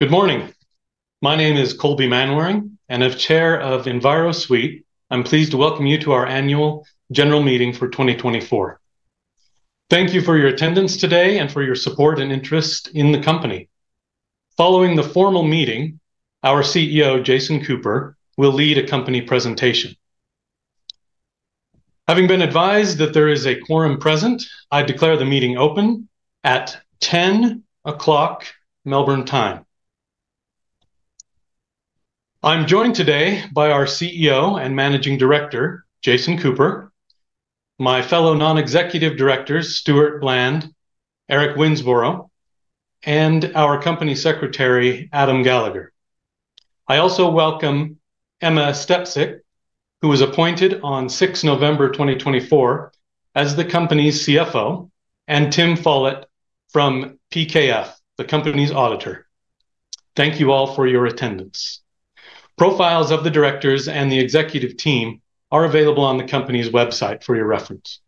Good morning. My name is Colby Manwaring, and as Chair of Envirosuite, I'm pleased to welcome you to our annual general meeting for 2024. Thank you for your attendance today and for your support and interest in the company. Following the formal meeting, our CEO, Jason Cooper, will lead a company presentation. Having been advised that there is a quorum present, I declare the meeting open at 10:00 A.M. Melbourne time. I'm joined today by our CEO and Managing Director, Jason Cooper, my fellow non-executive directors, Stuart Bland, Eric Winsborrow, and our company secretary, Adam Gallagher. I also welcome Emma Stepcic, who was appointed on 6 November 2024 as the company's CFO, and Tim Follett from PKF, the company's auditor. Thank you all for your attendance. Profiles of the directors and the executive team are available on the company's website for your reference.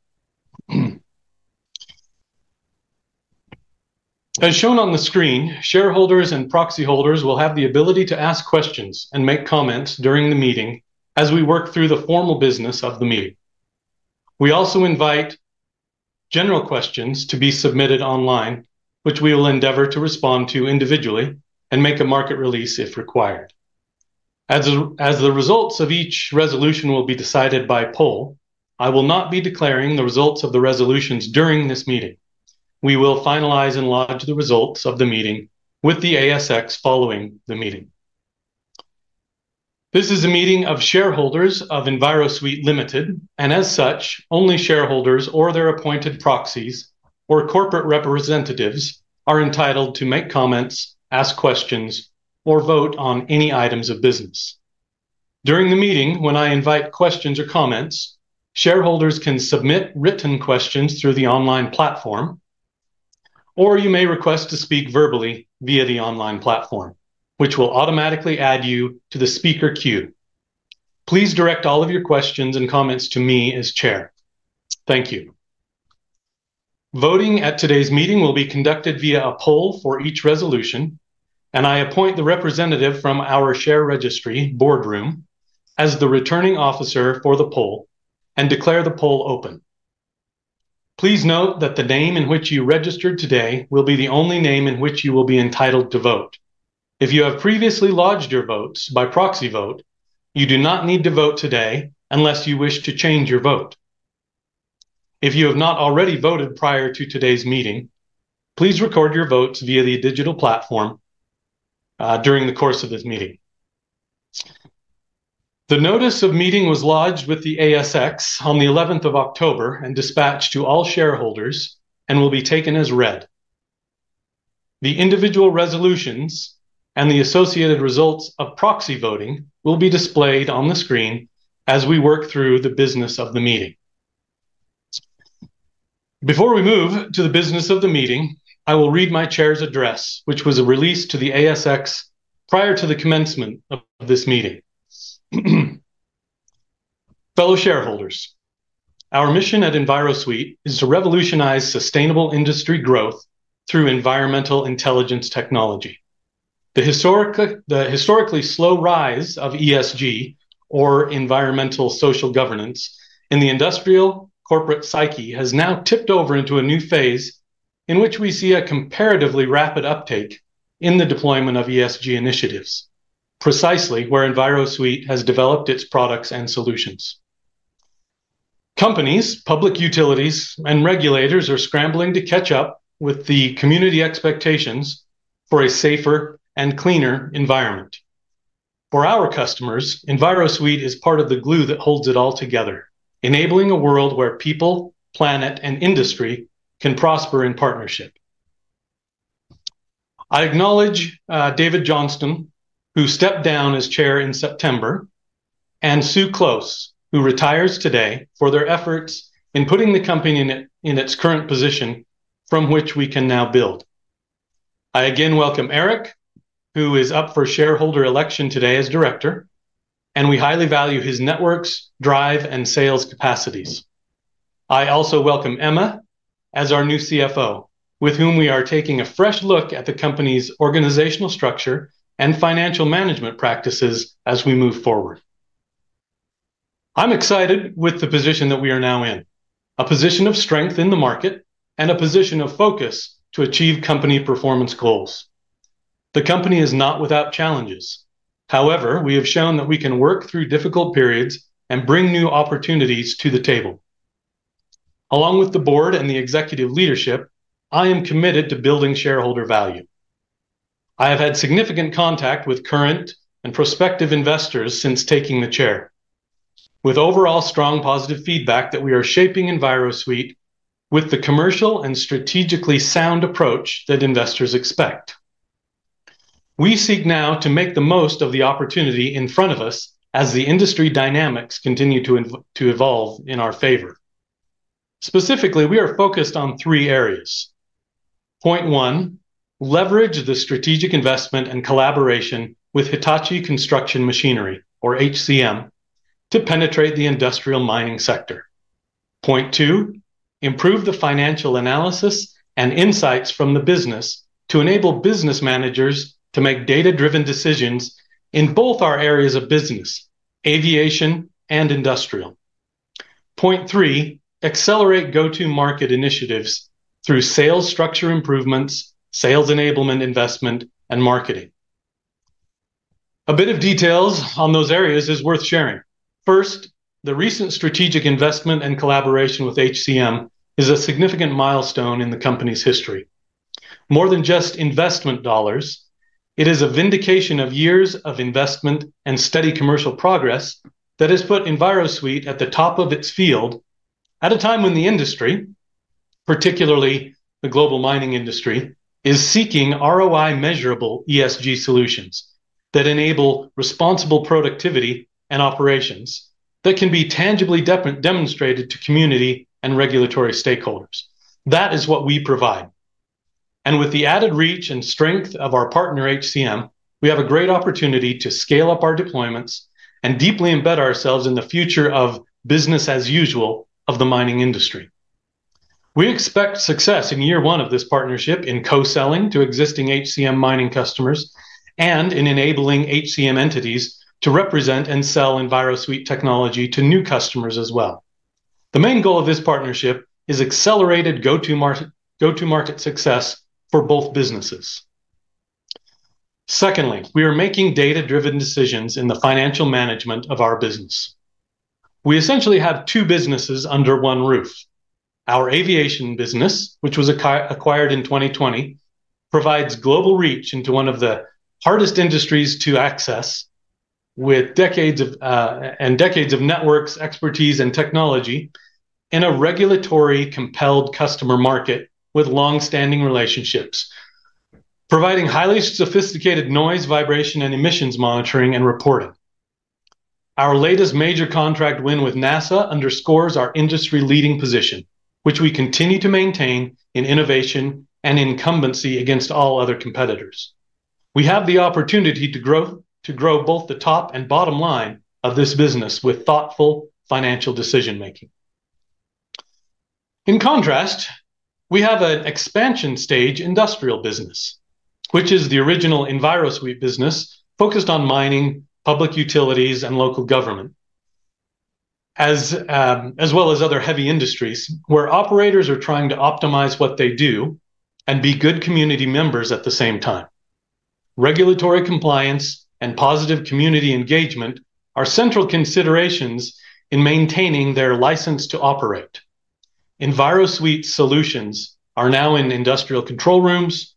As shown on the screen, shareholders and proxy holders will have the ability to ask questions and make comments during the meeting as we work through the formal business of the meeting. We also invite general questions to be submitted online, which we will endeavor to respond to individually and make a market release if required. As the results of each resolution will be decided by poll, I will not be declaring the results of the resolutions during this meeting. We will finalize and lodge the results of the meeting with the ASX following the meeting. This is a meeting of shareholders of Envirosuite Limited, and as such, only shareholders or their appointed proxies or corporate representatives are entitled to make comments, ask questions, or vote on any items of business. During the meeting, when I invite questions or comments, shareholders can submit written questions through the online platform, or you may request to speak verbally via the online platform, which will automatically add you to the speaker queue. Please direct all of your questions and comments to me as Chair. Thank you. Voting at today's meeting will be conducted via a poll for each resolution, and I appoint the representative from our share registry Boardroom as the returning officer for the poll and declare the poll open. Please note that the name in which you registered today will be the only name in which you will be entitled to vote. If you have previously lodged your votes by proxy vote, you do not need to vote today unless you wish to change your vote. If you have not already voted prior to today's meeting, please record your votes via the digital platform during the course of this meeting. The notice of meeting was lodged with the ASX on the 11th of October and dispatched to all shareholders and will be taken as read. The individual resolutions and the associated results of proxy voting will be displayed on the screen as we work through the business of the meeting. Before we move to the business of the meeting, I will read my Chair's address, which was released to the ASX prior to the commencement of this meeting. Fellow shareholders, our mission at Envirosuite is to revolutionize sustainable industry growth through environmental intelligence technology. The historically slow rise of ESG, or environmental social governance, in the industrial corporate psyche has now tipped over into a new phase in which we see a comparatively rapid uptake in the deployment of ESG initiatives, precisely where Envirosuite has developed its products and solutions. Companies, public utilities, and regulators are scrambling to catch up with the community expectations for a safer and cleaner environment. For our customers, Envirosuite is part of the glue that holds it all together, enabling a world where people, planet, and industry can prosper in partnership. I acknowledge David Johnston, who stepped down as chair in September, and Sue Klose, who retires today, for their efforts in putting the company in its current position from which we can now build. I again welcome Eric, who is up for shareholder election today as director, and we highly value his networks, drive, and sales capacities. I also welcome Emma as our new CFO, with whom we are taking a fresh look at the company's organizational structure and financial management practices as we move forward. I'm excited with the position that we are now in, a position of strength in the market and a position of focus to achieve company performance goals. The company is not without challenges. However, we have shown that we can work through difficult periods and bring new opportunities to the table. Along with the board and the executive leadership, I am committed to building shareholder value. I have had significant contact with current and prospective investors since taking the chair, with overall strong positive feedback that we are shaping Envirosuite with the commercial and strategically sound approach that investors expect. We seek now to make the most of the opportunity in front of us as the industry dynamics continue to evolve in our favor. Specifically, we are focused on three areas. Point one, leverage the strategic investment and collaboration with Hitachi Construction Machinery, or HCM, to penetrate the industrial mining sector. Point two, improve the financial analysis and insights from the business to enable business managers to make data-driven decisions in both our areas of business, aviation and industrial. Point three, accelerate go-to-market initiatives through sales structure improvements, sales enablement investment, and marketing. A bit of details on those areas is worth sharing. First, the recent strategic investment and collaboration with HCM is a significant milestone in the company's history. More than just investment dollars, it is a vindication of years of investment and steady commercial progress that has put Envirosuite at the top of its field at a time when the industry, particularly the global mining industry, is seeking ROI-measurable ESG solutions that enable responsible productivity and operations that can be tangibly demonstrated to community and regulatory stakeholders. That is what we provide, and with the added reach and strength of our partner HCM, we have a great opportunity to scale up our deployments and deeply embed ourselves in the future of business as usual of the mining industry. We expect success in year one of this partnership in co-selling to existing HCM mining customers and in enabling HCM entities to represent and sell Envirosuite technology to new customers as well. The main goal of this partnership is accelerated go-to-market success for both businesses. Secondly, we are making data-driven decisions in the financial management of our business. We essentially have two businesses under one roof. Our Aviation business, which was acquired in 2020, provides global reach into one of the hardest industries to access, with decades of networks, expertise, and technology in a regulatory-compelled customer market with long-standing relationships, providing highly sophisticated noise, vibration, and emissions monitoring and reporting. Our latest major contract win with NASA underscores our industry-leading position, which we continue to maintain in innovation and incumbency against all other competitors. We have the opportunity to grow both the top and bottom line of this business with thoughtful financial decision-making. In contrast, we have an expansion-stage industrial business, which is the original Envirosuite business focused on mining, public utilities, and local government, as well as other heavy industries where operators are trying to optimize what they do and be good community members at the same time. Regulatory compliance and positive community engagement are central considerations in maintaining their license to operate. Envirosuite solutions are now in industrial control rooms,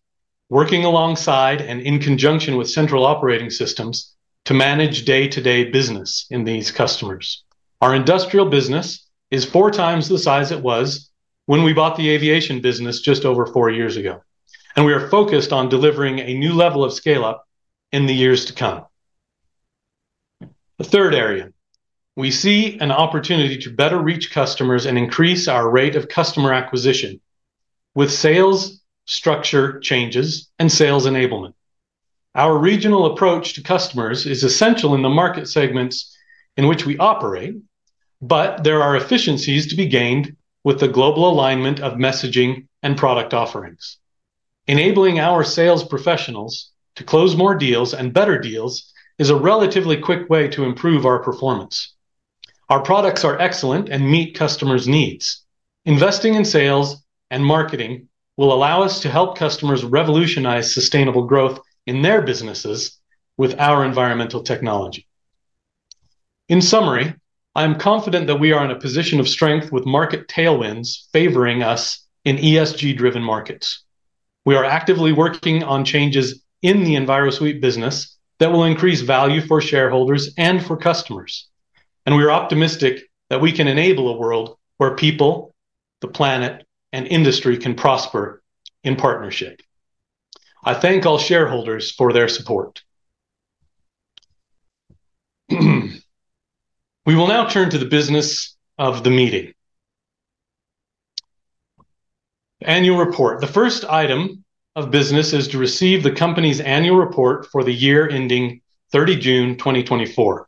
working alongside and in conjunction with central operating systems to manage day-to-day business in these customers. Our industrial business is 4x the size it was when we bought the Aviation business just over four years ago, and we are focused on delivering a new level of scale-up in the years to come. The third area, we see an opportunity to better reach customers and increase our rate of customer acquisition with sales structure changes and sales enablement. Our regional approach to customers is essential in the market segments in which we operate, but there are efficiencies to be gained with the global alignment of messaging and product offerings. Enabling our sales professionals to close more deals and better deals is a relatively quick way to improve our performance. Our products are excellent and meet customers' needs. Investing in sales and marketing will allow us to help customers revolutionize sustainable growth in their businesses with our environmental technology. In summary, I am confident that we are in a position of strength with market tailwinds favoring us in ESG-driven markets. We are actively working on changes in the Envirosuite business that will increase value for shareholders and for customers, and we are optimistic that we can enable a world where people, the planet, and industry can prosper in partnership. I thank all shareholders for their support. We will now turn to the business of the meeting. Annual report. The first item of business is to receive the company's annual report for the year ending 30 June 2024.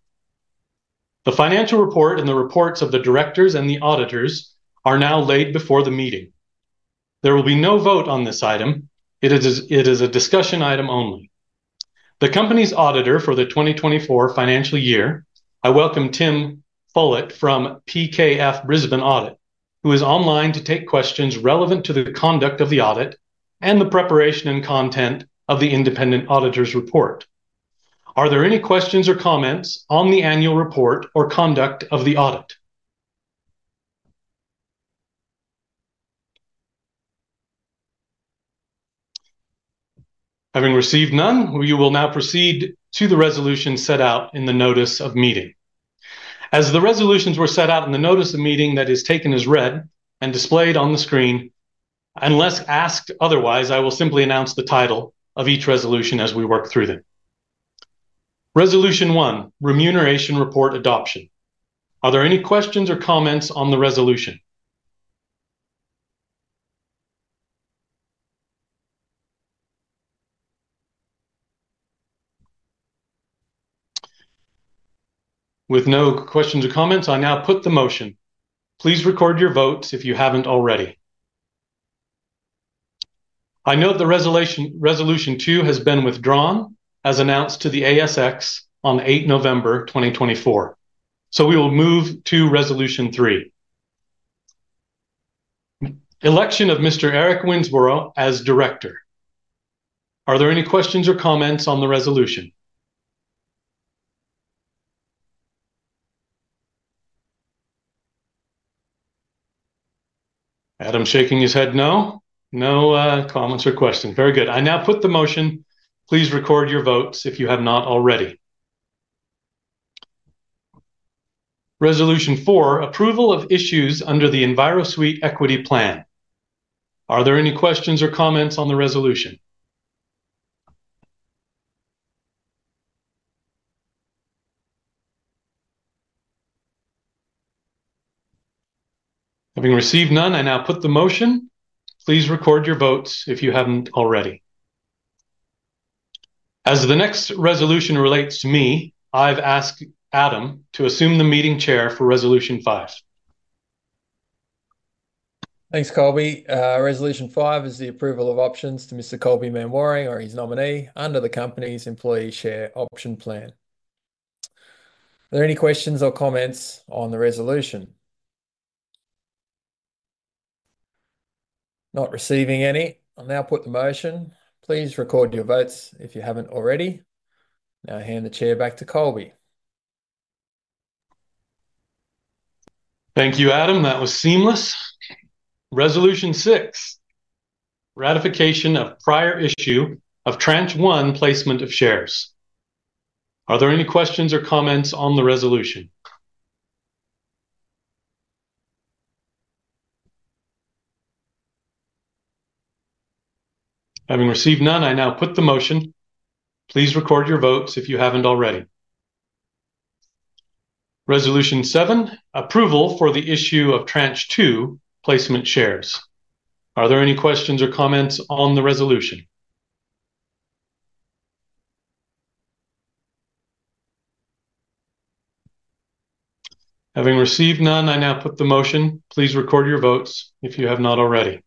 The financial report and the reports of the directors and the auditors are now laid before the meeting. There will be no vote on this item. It is a discussion item only. The company's auditor for the 2024 financial year, I welcome Tim Follett from PKF Brisbane Audit, who is online to take questions relevant to the conduct of the audit and the preparation and content of the independent auditor's report. Are there any questions or comments on the annual report or conduct of the audit? Having received none, we will now proceed to the resolutions set out in the notice of meeting. As the resolutions were set out in the notice of meeting that is taken as read and displayed on the screen, unless asked otherwise, I will simply announce the title of each resolution as we work through them. Resolution One, Remuneration Report Adoption. Are there any questions or comments on the resolution? With no questions or comments, I now put the motion. Please record your vote if you haven't already. I note the resolution two has been withdrawn, as announced to the ASX on 8 November 2024. So we will move to resolution three. Election of Mr. Eric Winsborrow as director. Are there any questions or comments on the resolution? Adam's shaking his head, no. No comments or questions. Very good. I now put the motion. Please record your votes if you have not already. Resolution four, Approval of Issues Under the Envirosuite Equity Plan. Are there any questions or comments on the resolution? Having received none, I now put the motion. Please record your votes if you haven't already. As the next resolution relates to me, I've asked Adam to assume the meeting chair for resolution five. Thanks, Colby. Resolution five is the approval of options to Mr. Colby Manwaring, or his nominee, under the company's employee share option plan. Are there any questions or comments on the resolution? Not receiving any. I'll now put the motion. Please record your votes if you haven't already. Now hand the chair back to Colby. Thank you, Adam. That was seamless. Resolution six, ratification of prior issue of tranche one placement of shares. Are there any questions or comments on the resolution? Having received none, I now put the motion. Please record your votes if you haven't already. Resolution seven, approval for the issue of tranche two placement shares. Are there any questions or comments on the resolution? Having received none, I now put the motion. Please record your votes if you have not already.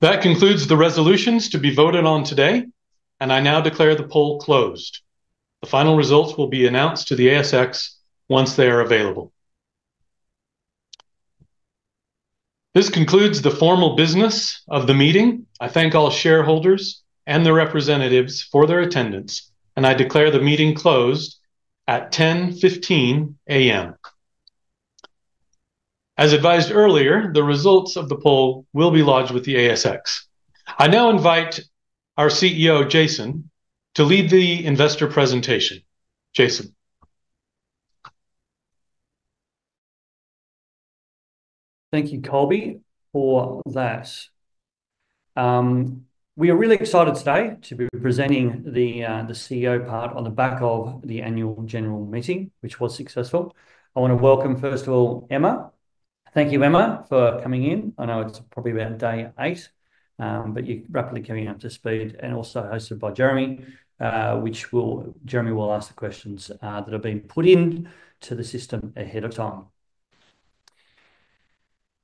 That concludes the resolutions to be voted on today, and I now declare the poll closed. The final results will be announced to the ASX once they are available. This concludes the formal business of the meeting. I thank all shareholders and the representatives for their attendance, and I declare the meeting closed at 10:15 A.M. As advised earlier, the results of the poll will be lodged with the ASX. I now invite our CEO, Jason, to lead the investor presentation. Jason. Thank you, Colby, for that. We are really excited today to be presenting the CEO part on the back of the annual general meeting, which was successful. I want to welcome, first of all, Emma. Thank you, Emma, for coming in. I know it's probably about day eight, but you're rapidly coming up to speed and also hosted by Jeremy, which Jeremy will ask the questions that have been put into the system ahead of time.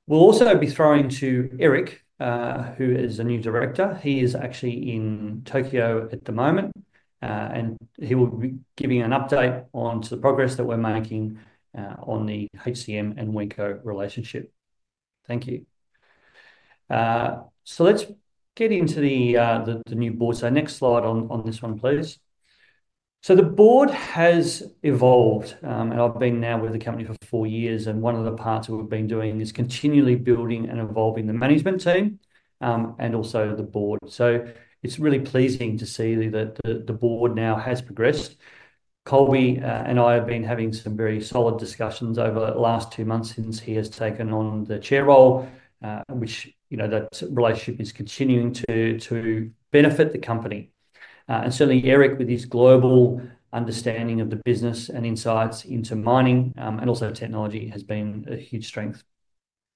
We'll also be throwing to Eric, who is a new director. He is actually in Tokyo at the moment, and he will be giving an update on the progress that we're making on the HCM and Wenco relationship. Thank you. So let's get into the new board. So next slide on this one, please. So the board has evolved, and I've been now with the company for four years, and one of the parts we've been doing is continually building and evolving the management team and also the board. So it's really pleasing to see that the board now has progressed. Colby and I have been having some very solid discussions over the last two months since he has taken on the chair role, which that relationship is continuing to benefit the company. And certainly, Eric, with his global understanding of the business and insights into mining and also technology, has been a huge strength.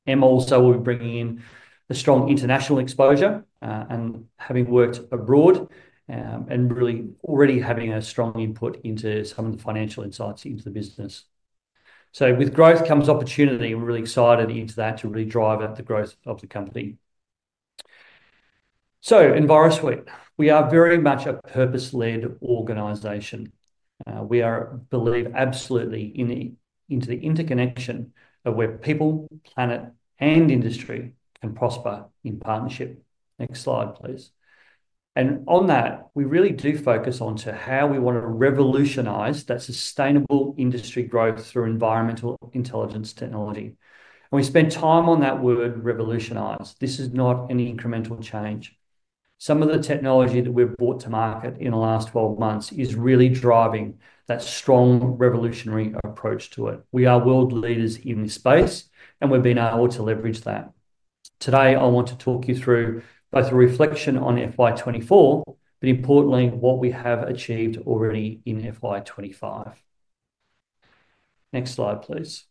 Emma also will be bringing in a strong international exposure and having worked abroad and really already having a strong input into some of the financial insights into the business. So with growth comes opportunity. We're really excited into that to really drive up the growth of the company. So Envirosuite, we are very much a purpose-led organization. We believe absolutely into the interconnection of where people, planet, and industry can prosper in partnership. Next slide, please. On that, we really do focus on how we want to revolutionize that sustainable industry growth through environmental intelligence technology. We spend time on that word revolutionize. This is not an incremental change. Some of the technology that we've brought to market in the last 12 months is really driving that strong revolutionary approach to it. We are world leaders in this space, and we've been able to leverage that. Today, I want to talk you through both a reflection on FY 2024, but importantly, what we have achieved already in FY 2025. Next slide, please.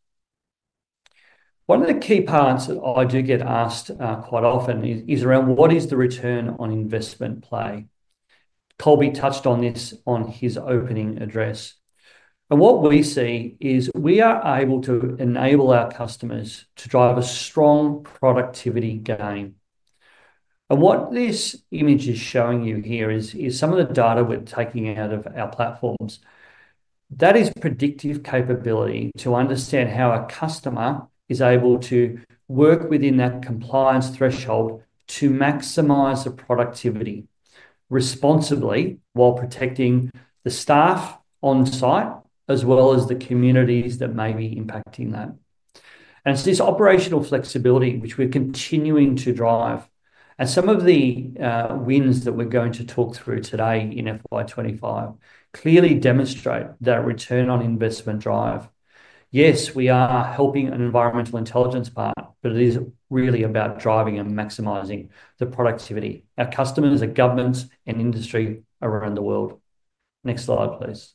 One of the key parts that I do get asked quite often is around what is the return on investment play? Colby touched on this on his opening address. What we see is we are able to enable our customers to drive a strong productivity gain. And what this image is showing you here is some of the data we're taking out of our platforms. That is predictive capability to understand how a customer is able to work within that compliance threshold to maximize the productivity responsibly while protecting the staff on site as well as the communities that may be impacting that. And it's this operational flexibility, which we're continuing to drive. And some of the wins that we're going to talk through today in FY 2025 clearly demonstrate that return on investment drive. Yes, we are helping an environmental intelligence platform, but it is really about driving and maximizing the productivity. Our customers are governments and industry around the world. Next slide, please.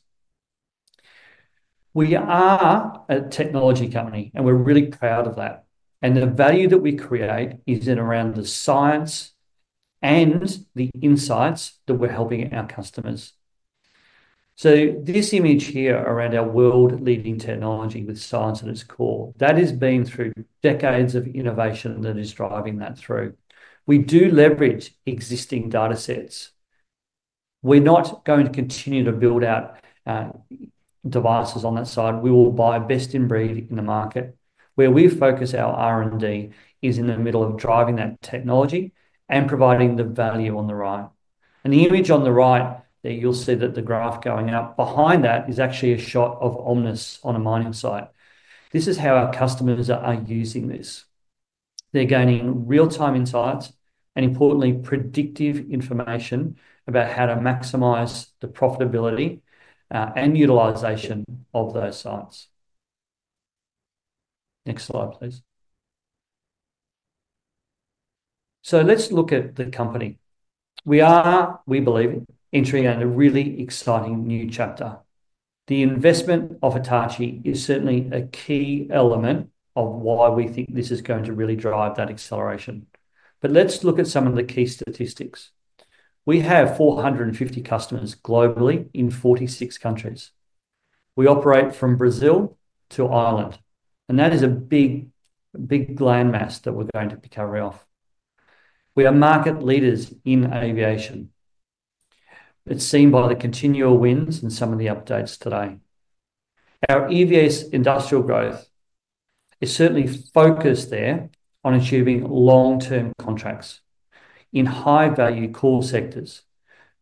We are a technology company, and we're really proud of that. And the value that we create is around the science and the insights that we're helping our customers. So, this image here around our world-leading technology with science at its core, that has been through decades of innovation that is driving that through. We do leverage existing data sets. We're not going to continue to build out devices on that side. We will buy best-in-breed in the market where we focus our R&D is in the middle of driving that technology and providing the value on the right. And the image on the right, you'll see that the graph going up behind that is actually a shot of Omnis on a mining site. This is how our customers are using this. They're gaining real-time insights and, importantly, predictive information about how to maximize the profitability and utilization of those sites. Next slide, please. So let's look at the company. We believe in entering a really exciting new chapter. The investment of Hitachi is certainly a key element of why we think this is going to really drive that acceleration. But let's look at some of the key statistics. We have 450 customers globally in 46 countries. We operate from Brazil to Ireland, and that is a big landmass that we're going to be covering off. We are market leaders in aviation. It's seen by the continual wins and some of the updates today. Our easiest industrial growth is certainly focused there on achieving long-term contracts in high-value core sectors.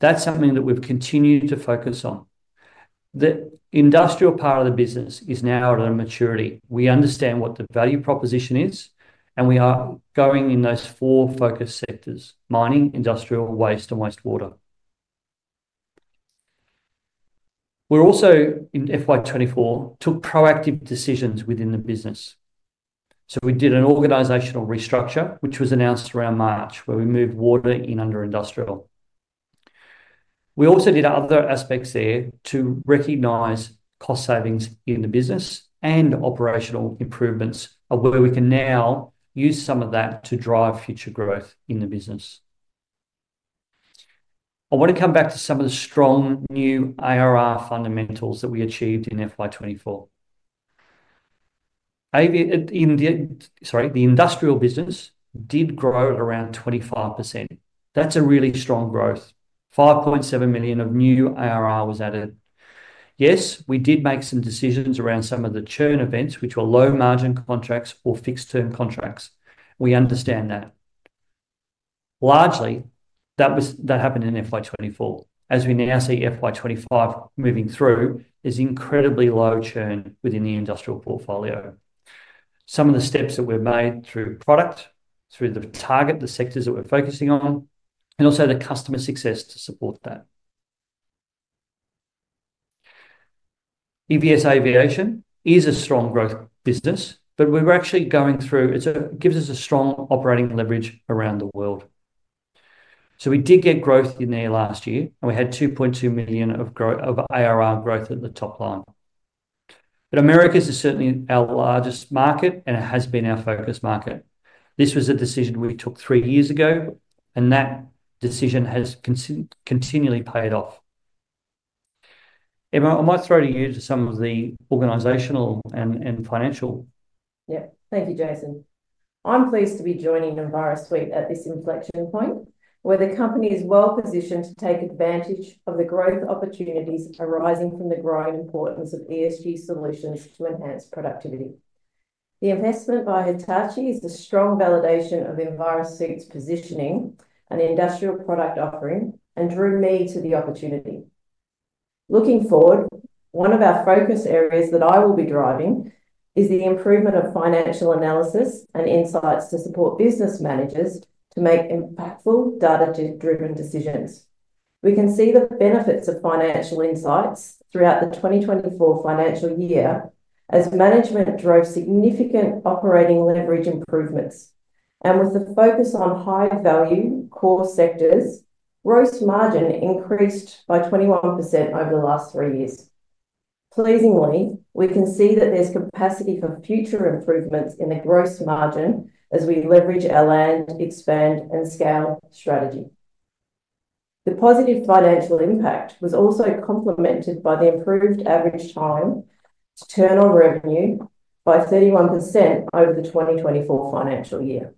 That's something that we've continued to focus on. The industrial part of the business is now at a maturity. We understand what the value proposition is, and we are going in those four focus sectors: mining, industrial, waste, and wastewater. We're also in FY 2024 took proactive decisions within the business. So we did an organizational restructure, which was announced around March, where we moved water in under industrial. We also did other aspects there to recognize cost savings in the business and operational improvements of where we can now use some of that to drive future growth in the business. I want to come back to some of the strong new ARR fundamentals that we achieved in FY 2024. Sorry, the industrial business did grow at around 25%. That's a really strong growth. 5.7 million of new ARR was added. Yes, we did make some decisions around some of the churn events, which were low-margin contracts or fixed-term contracts. We understand that. Largely, that happened in FY 2024. As we now see FY 2025 moving through, there's incredibly low churn within the industrial portfolio. Some of the steps that we've made through product, through the target, the sectors that we're focusing on, and also the customer success to support that. EVS Aviation is a strong growth business, but we were actually going through it gives us a strong operating leverage around the world. We did get growth in there last year, and we had 2.2 million of ARR growth at the top line. America is certainly our largest market, and it has been our focus market. This was a decision we took three years ago, and that decision has continually paid off. Emma, I might throw to you to some of the organizational and financial. Yeah. Thank you, Jason. I'm pleased to be joining Envirosuite at this inflection point, where the company is well-positioned to take advantage of the growth opportunities arising from the growing importance of ESG solutions to enhance productivity. The investment by Hitachi is a strong validation of Envirosuite's positioning and industrial product offering and drew me to the opportunity. Looking forward, one of our focus areas that I will be driving is the improvement of financial analysis and insights to support business managers to make impactful data-driven decisions. We can see the benefits of financial insights throughout the 2024 financial year as management drove significant operating leverage improvements, and with the focus on high-value core sectors, gross margin increased by 21% over the last three years. Pleasingly, we can see that there's capacity for future improvements in the gross margin as we leverage our land, expand, and scale strategy. The positive financial impact was also complemented by the improved average time to turn on revenue by 31% over the 2024 financial year.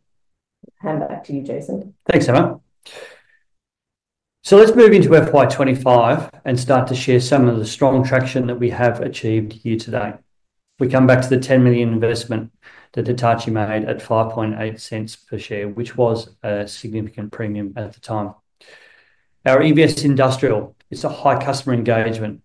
Hand back to you, Jason. Thanks, Emma. So let's move into FY 2025 and start to share some of the strong traction that we have achieved here today. We come back to the 10 million investment that Hitachi made at 0.058 per share, which was a significant premium at the time. Our EVS Industrial is a high customer engagement.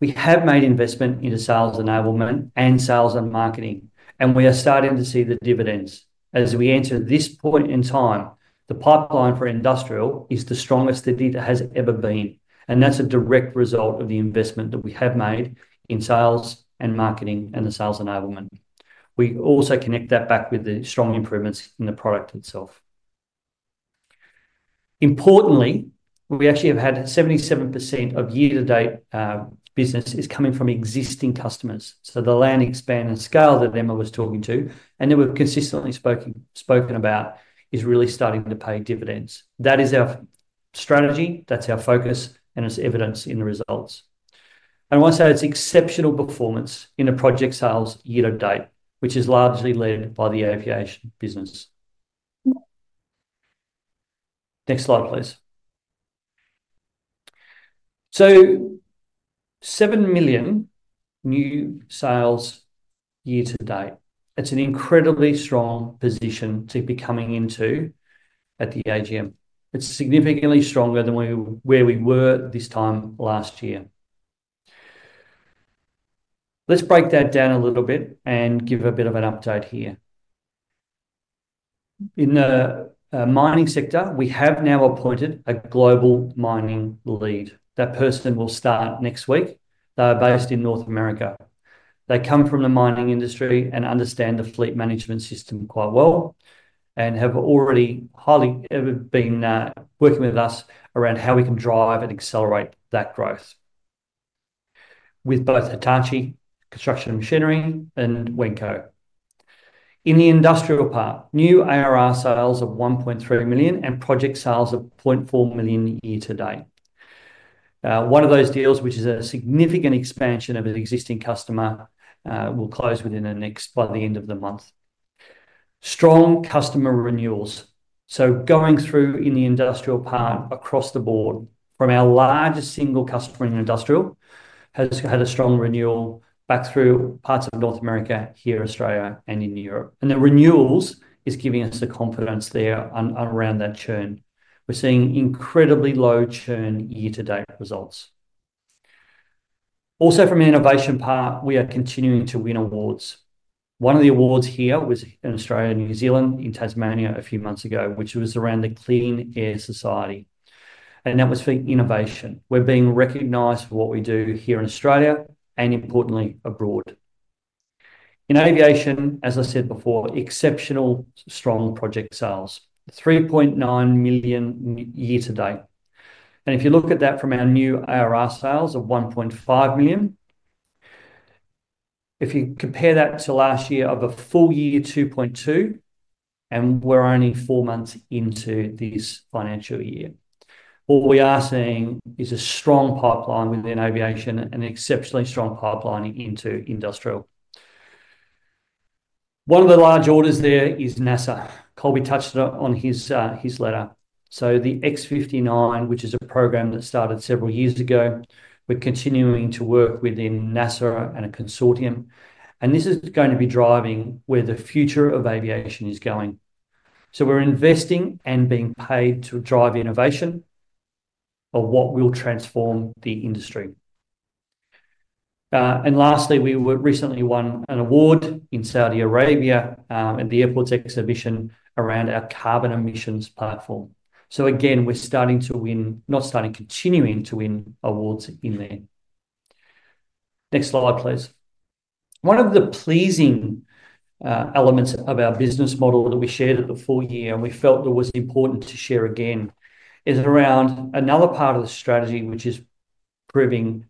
We have made investment into sales enablement and sales and marketing, and we are starting to see the dividends. As we enter this point in time, the pipeline for industrial is the strongest that it has ever been, and that's a direct result of the investment that we have made in sales and marketing and the sales enablement. We also connect that back with the strong improvements in the product itself. Importantly, we actually have had 77% of year-to-date business is coming from existing customers. So the land, expand, and scale that Emma was talking to and that we've consistently spoken about is really starting to pay dividends. That is our strategy. That's our focus, and it's evidenced in the results. And I want to say it's exceptional performance in the project sales year-to-date, which is largely led by the Aviation business. Next slide, please. So AUD 7 million new sales year-to-date. It's an incredibly strong position to be coming into at the AGM. It's significantly stronger than where we were this time last year. Let's break that down a little bit and give a bit of an update here. In the mining sector, we have now appointed a global mining lead. That person will start next week. They're based in North America. They come from the mining industry and understand the fleet management system quite well and have already been working with us around how we can drive and accelerate that growth with both Hitachi Construction Machinery and Wenco. In the industrial part, new ARR sales of 1.3 million and project sales of 0.4 million year-to-date. One of those deals, which is a significant expansion of an existing customer, will close by the end of the month. Strong customer renewals, so going through in the industrial part across the board, from our largest single customer in industrial, has had a strong renewal back through parts of North America, here in Australia, and in Europe, and the renewals are giving us the confidence there around that churn. We're seeing incredibly low churn year-to-date results. Also, from the innovation part, we are continuing to win awards. One of the awards here was in Australia, New Zealand, in Tasmania a few months ago, which was around the Clean Air Society, and that was for innovation. We're being recognized for what we do here in Australia and, importantly, abroad. In aviation, as I said before, exceptional strong project sales, 3.9 million year-to-date, and if you look at that from our new ARR sales of 1.5 million, if you compare that to last year of a full year 2.2 million, and we're only four months into this financial year. What we are seeing is a strong pipeline within Aviation and an exceptionally strong pipeline into industrial. One of the large orders there is NASA. Colby touched on his letter, so the X-59, which is a program that started several years ago, we're continuing to work within NASA and a consortium. This is going to be driving where the future of Aviation is going. So we're investing and being paid to drive innovation of what will transform the industry. And lastly, we recently won an award in Saudi Arabia at the Airports Exhibition around our carbon emissions platform. So again, we're starting to win, not starting, continuing to win awards in there. Next slide, please. One of the pleasing elements of our business model that we shared at the full year, and we felt it was important to share again, is around another part of the strategy, which is proving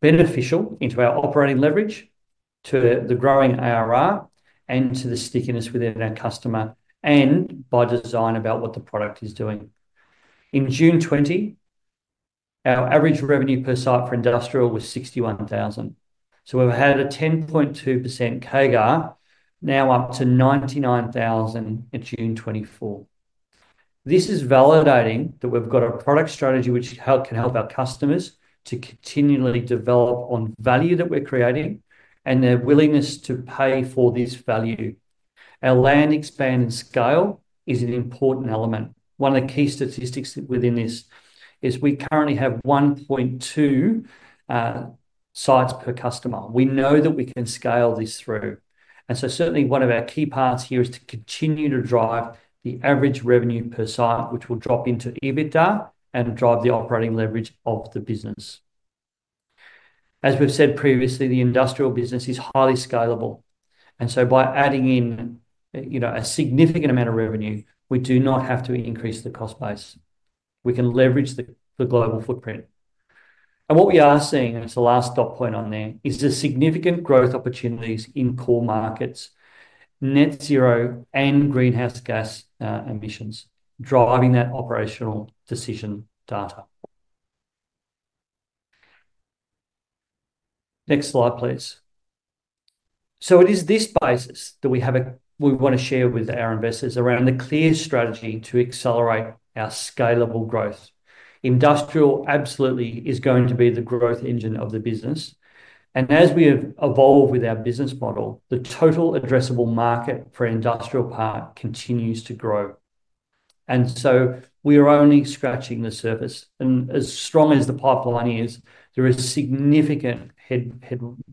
beneficial into our operating leverage, to the growing ARR, and to the stickiness within our customer and by design about what the product is doing. In June 2020, our average revenue per site for industrial was 61,000. So we've had a 10.2% CAGR, now up to 99,000 in June 2024. This is validating that we've got a product strategy which can help our customers to continually develop on value that we're creating and their willingness to pay for this value. Our land, expand, and scale is an important element. One of the key statistics within this is we currently have 1.2 sites per customer. We know that we can scale this through, and so certainly, one of our key paths here is to continue to drive the average revenue per site, which will drop into EBITDA and drive the operating leverage of the business. As we've said previously, the industrial business is highly scalable, and so by adding in a significant amount of revenue, we do not have to increase the cost base. We can leverage the global footprint. And what we are seeing, and it's the last dot point on there, is the significant growth opportunities in core markets, net zero, and greenhouse gas emissions driving that operational decision data. Next slide, please. So it is this basis that we want to share with our investors around the clear strategy to accelerate our scalable growth. Industrial absolutely is going to be the growth engine of the business. And as we evolve with our business model, the total addressable market for industrial part continues to grow. And so we are only scratching the surface. And as strong as the pipeline is, there is significant headway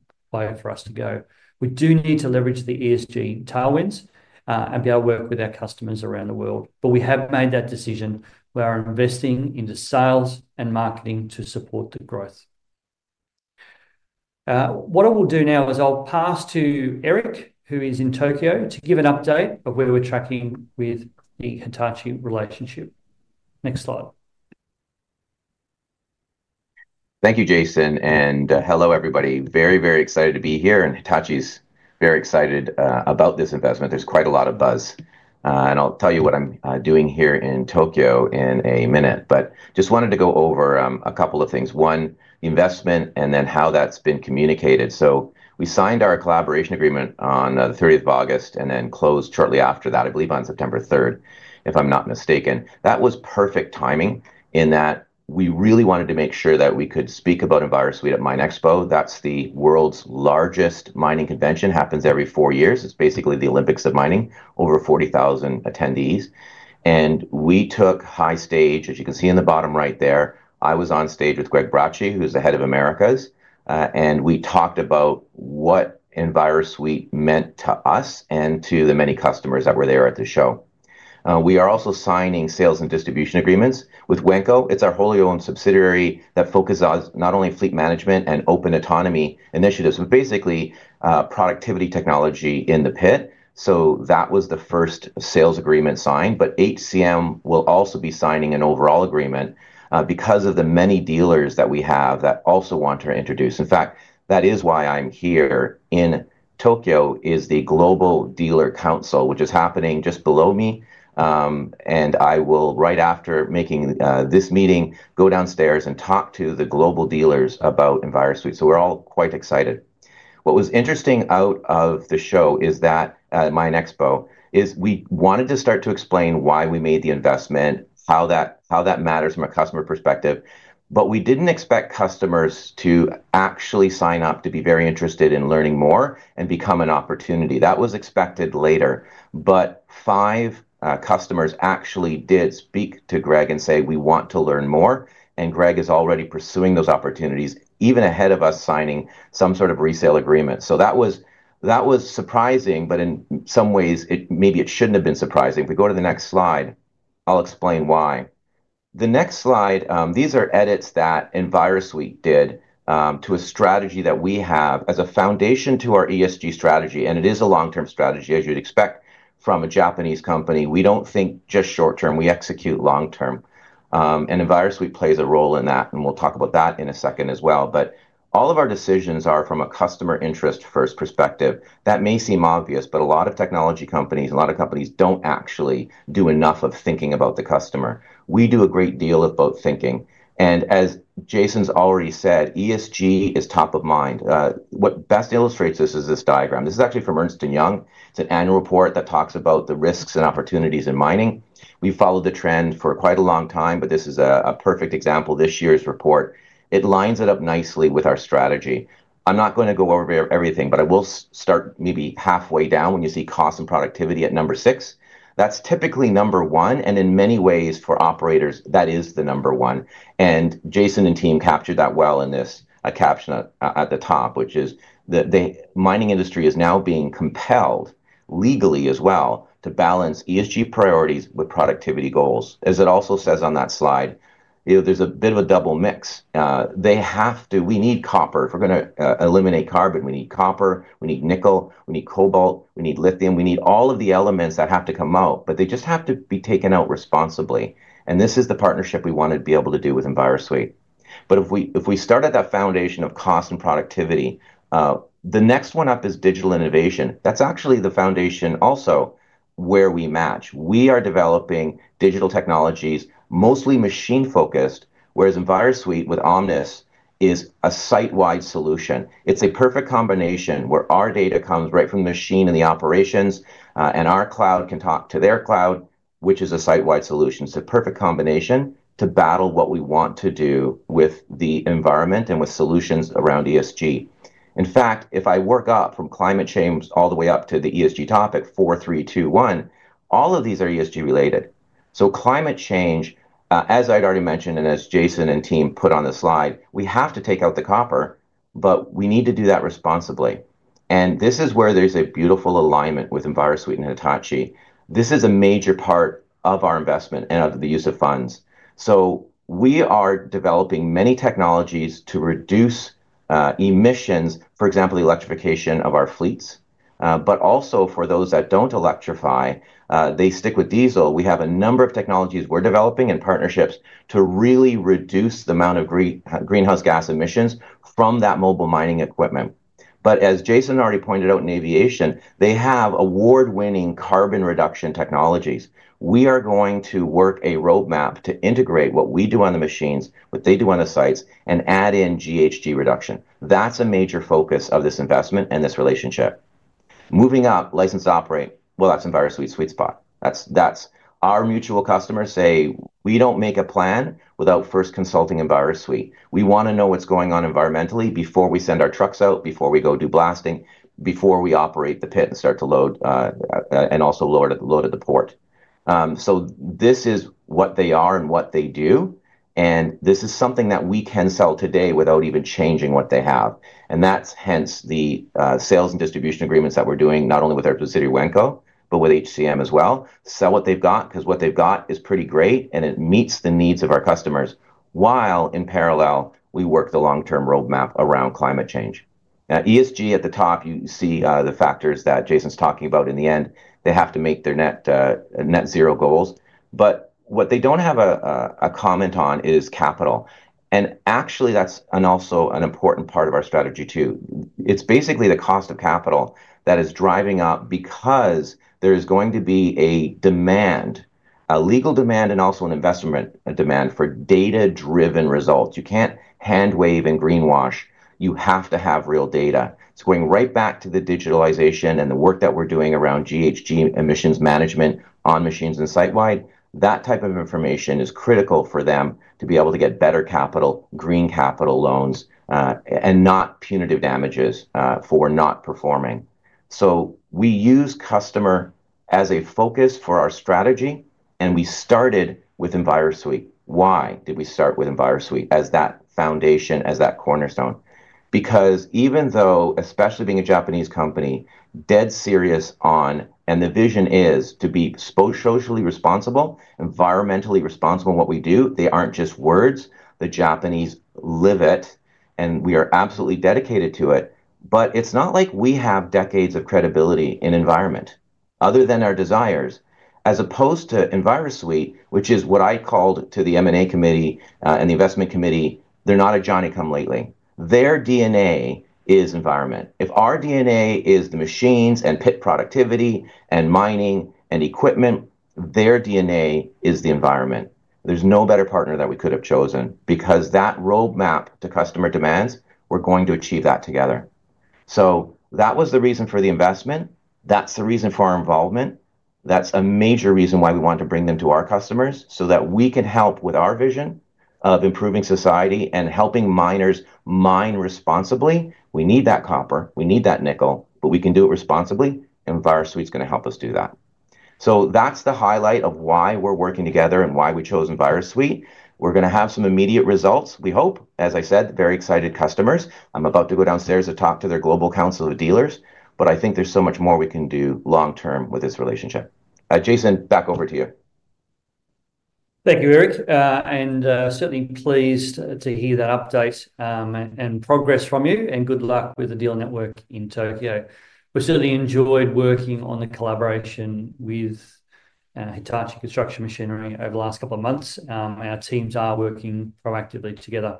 for us to go. We do need to leverage the ESG tailwinds and be able to work with our customers around the world. But we have made that decision. We are investing into sales and marketing to support the growth. What I will do now is I'll pass to Eric, who is in Tokyo, to give an update of where we're tracking with the Hitachi relationship. Next slide. Thank you, Jason. And hello, everybody. Very, very excited to be here. And Hitachi is very excited about this investment. There's quite a lot of buzz. And I'll tell you what I'm doing here in Tokyo in a minute, but just wanted to go over a couple of things. One, the investment, and then how that's been communicated. So we signed our collaboration agreement on the 30th of August and then closed shortly after that, I believe on September 3rd, if I'm not mistaken. That was perfect timing in that we really wanted to make sure that we could speak about Envirosuite at MINExpo. That's the world's largest mining convention. It happens every four years. It's basically the Olympics of mining, over 40,000 attendees. And we took high stage. As you can see in the bottom right there, I was on stage with Greg Bracci, who's the head of Americas. And we talked about what Envirosuite meant to us and to the many customers that were there at the show. We are also signing sales and distribution agreements with Wenco. It's our wholly-owned subsidiary that focuses on not only fleet management and open autonomy initiatives, but basically productivity technology in the pit. So that was the first sales agreement signed. But HCM will also be signing an overall agreement because of the many dealers that we have that also want to introduce. In fact, that is why I'm here in Tokyo: the Global Dealer Council, which is happening just below me. I will, right after making this meeting, go downstairs and talk to the global dealers about Envirosuite. So we're all quite excited. What was interesting out of the show is that at MINExpo we wanted to start to explain why we made the investment, how that matters from a customer perspective. But we didn't expect customers to actually sign up to be very interested in learning more and become an opportunity. That was expected later. But five customers actually did speak to Greg and say, "We want to learn more." And Greg is already pursuing those opportunities even ahead of us signing some sort of resale agreement. So that was surprising, but in some ways, maybe it shouldn't have been surprising. If we go to the next slide, I'll explain why. The next slide. These are edits that Envirosuite did to a strategy that we have as a foundation to our ESG strategy. And it is a long-term strategy, as you'd expect from a Japanese company. We don't think just short-term. We execute long-term. And Envirosuite plays a role in that. And we'll talk about that in a second as well. But all of our decisions are from a customer interest-first perspective. That may seem obvious, but a lot of technology companies and a lot of companies don't actually do enough of thinking about the customer. We do a great deal of both thinking. And as Jason's already said, ESG is top of mind. What best illustrates this is this diagram. This is actually from Ernst & Young. It's an annual report that talks about the risks and opportunities in mining. We've followed the trend for quite a long time, but this is a perfect example, this year's report. It lines it up nicely with our strategy. I'm not going to go over everything, but I will start maybe halfway down when you see cost and productivity at number six. That's typically number one. And in many ways, for operators, that is the number one. And Jason and team captured that well in this caption at the top, which is the mining industry is now being compelled legally as well to balance ESG priorities with productivity goals. As it also says on that slide, there's a bit of a double mix. We need copper. If we're going to eliminate carbon, we need copper. We need nickel. We need cobalt. We need lithium. We need all of the elements that have to come out, but they just have to be taken out responsibly, and this is the partnership we want to be able to do with Envirosuite. But if we start at that foundation of cost and productivity, the next one up is digital innovation. That's actually the foundation also where we match. We are developing digital technologies, mostly machine-focused, whereas Envirosuite with Omnis is a site-wide solution. It's a perfect combination where our data comes right from the machine and the operations, and our cloud can talk to their cloud, which is a site-wide solution. It's a perfect combination to battle what we want to do with the environment and with solutions around ESG. In fact, if I work up from climate change all the way up to the ESG topic, 4, 3, 2, 1, all of these are ESG-related. Climate change, as I'd already mentioned and as Jason and team put on the slide, we have to take out the copper, but we need to do that responsibly, and this is where there's a beautiful alignment with Envirosuite and Hitachi. This is a major part of our investment and of the use of funds, so we are developing many technologies to reduce emissions, for example, electrification of our fleets, but also for those that don't electrify, they stick with diesel. We have a number of technologies we're developing and partnerships to really reduce the amount of greenhouse gas emissions from that mobile mining equipment, but as Jason already pointed out in aviation, they have award-winning carbon reduction technologies. We are going to work a roadmap to integrate what we do on the machines, what they do on the sites, and add in GHG reduction. That's a major focus of this investment and this relationship. Moving up, license to operate. Well, that's Envirosuite's sweet spot. Our mutual customers say, "We don't make a plan without first consulting Envirosuite. We want to know what's going on environmentally before we send our trucks out, before we go do blasting, before we operate the pit and start to load and also load at the port." So this is what they are and what they do. And this is something that we can sell today without even changing what they have. And that's hence the sales and distribution agreements that we're doing, not only with our subsidiary Wenco, but with HCM as well. Sell what they've got because what they've got is pretty great, and it meets the needs of our customers while, in parallel, we work the long-term roadmap around climate change. Now, ESG at the top, you see the factors that Jason's talking about in the end. They have to make their Net Zero goals, but what they don't have a comment on is capital, and actually, that's also an important part of our strategy too. It's basically the cost of capital that is driving up because there is going to be a demand, a legal demand, and also an investment demand for data-driven results. You can't handwave and greenwash. You have to have real data. It's going right back to the digitalization and the work that we're doing around GHG emissions management on machines and site-wide. That type of information is critical for them to be able to get better capital, green capital loans, and not punitive damages for not performing, so we use customer as a focus for our strategy, and we started with Envirosuite. Why did we start with Envirosuite as that foundation, as that cornerstone? Because even though, especially being a Japanese company, dead serious on, and the vision is to be socially responsible, environmentally responsible in what we do, they aren't just words. The Japanese live it, and we are absolutely dedicated to it. But it's not like we have decades of credibility in environment other than our desires. As opposed to Envirosuite, which is what I called to the M&A committee and the investment committee, they're not a Johnny Come Lately. Their DNA is environment. If our DNA is the machines and pit productivity and mining and equipment, their DNA is the environment. There's no better partner that we could have chosen because that roadmap to customer demands, we're going to achieve that together. So that was the reason for the investment. That's the reason for our involvement. That's a major reason why we want to bring them to our customers so that we can help with our vision of improving society and helping miners mine responsibly. We need that copper. We need that nickel, but we can do it responsibly, and Envirosuite's going to help us do that. So that's the highlight of why we're working together and why we chose Envirosuite. We're going to have some immediate results, we hope. As I said, very excited customers. I'm about to go downstairs to talk to their global council of dealers, but I think there's so much more we can do long-term with this relationship. Jason, back over to you. Thank you, Eric. And certainly pleased to hear that update and progress from you. And good luck with the dealer network in Tokyo. We certainly enjoyed working on the collaboration with Hitachi Construction Machinery over the last couple of months. Our teams are working proactively together.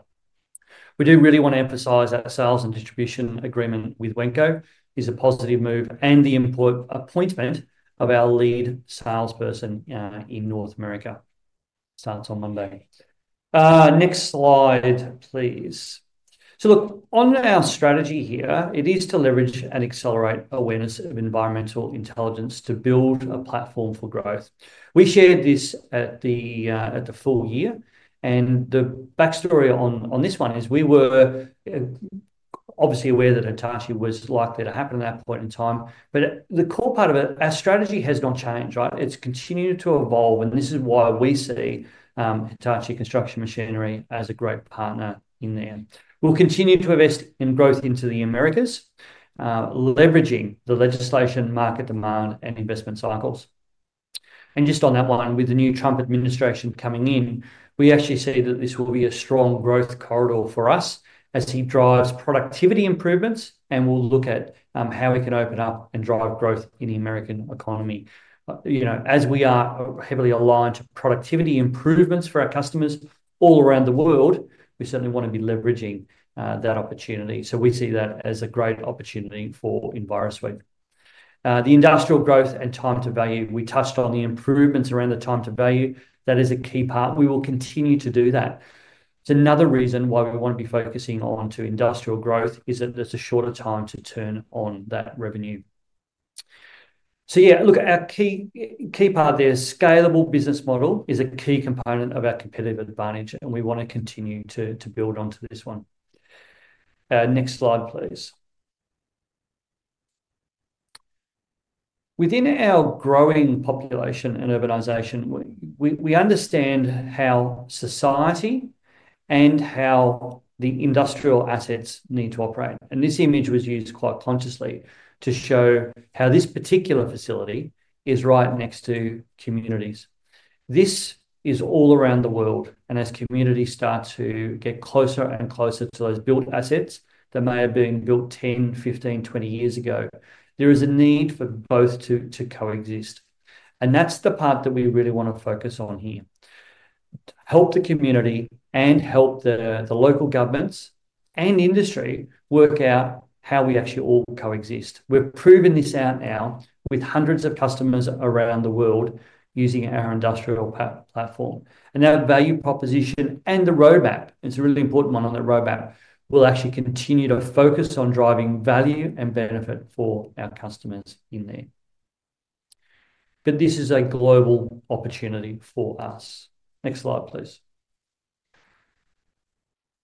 We do really want to emphasize our sales and distribution agreement with Wenco. It's a positive move. And the appointment of our lead salesperson in North America starts on Monday. Next slide, please. So look, on our strategy here, it is to leverage and accelerate awareness of environmental intelligence to build a platform for growth. We shared this at the full year. And the backstory on this one is we were obviously aware that Hitachi was likely to happen at that point in time. But the core part of it, our strategy has not changed, right? It's continued to evolve. And this is why we see Hitachi Construction Machinery as a great partner in there. We'll continue to invest in growth into the Americas, leveraging the legislation, market demand, and investment cycles, and just on that one, with the new Trump administration coming in, we actually see that this will be a strong growth corridor for us as he drives productivity improvements and will look at how we can open up and drive growth in the American economy. As we are heavily aligned to productivity improvements for our customers all around the world, we certainly want to be leveraging that opportunity, so we see that as a great opportunity for Envirosuite. The industrial growth and time to value. We touched on the improvements around the time to value. That is a key part. We will continue to do that. It's another reason why we want to be focusing on industrial growth is that there's a shorter time to turn on that revenue. So yeah, look, our key part there, scalable business model is a key component of our competitive advantage, and we want to continue to build onto this one. Next slide, please. Within our growing population and urbanization, we understand how society and how the industrial assets need to operate. And this image was used quite consciously to show how this particular facility is right next to communities. This is all around the world. And as communities start to get closer and closer to those built assets that may have been built 10, 15, 20 years ago, there is a need for both to coexist. And that's the part that we really want to focus on here. Help the community and help the local governments and industry work out how we actually all coexist. We're proving this out now with hundreds of customers around the world using our industrial platform. And that value proposition and the roadmap, it's a really important one on the roadmap, will actually continue to focus on driving value and benefit for our customers in there. But this is a global opportunity for us. Next slide, please.